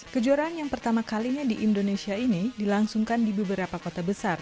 kejuaraan yang pertama kalinya di indonesia ini dilangsungkan di beberapa kota besar